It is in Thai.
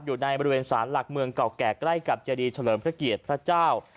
อยู่ในบริเวณสารหลักเมืองเก่าแก่ใกล้กับเจดีเฉลิมพระเกียรติพระเจ้า